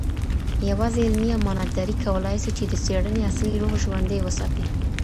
یوازي علمي امانتداري کولای سي چي د څېړنې اصلي روح ژوندی وساتي.